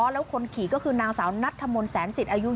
แล้วคนขี่ก็คือนางสาวนัทธมนต์แสนสิทธิ์อายุ